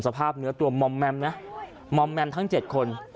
สภาพเนื้อตัวมอมแมมนะมอมแมมทั้ง๗คน